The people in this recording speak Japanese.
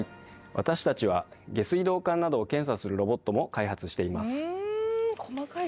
私たちは下水道管などを検査するロボットも開発しています。